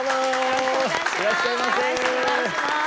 よろしくお願いします。